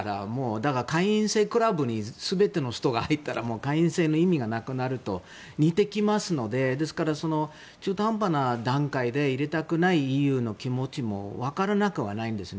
だから会員制クラブに全ての人が入ったら会員制の意味がなくなるということと似てきますのでですので、中途半端な段階で入れたくないＥＵの気持ちも分からなくはないですね。